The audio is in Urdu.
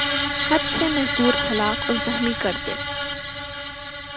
ہت سے مزدور ہلاک اور زخمی کر دے